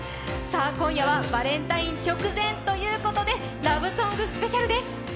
今夜はバレンタイン直前ということでラブソングスペシャルです。